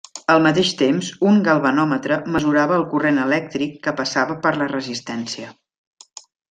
Al mateix temps un galvanòmetre mesurava el corrent elèctric que passava per la resistència.